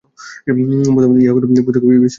প্রথমত ইহা কোন পুস্তকে বিশ্বাস করে না।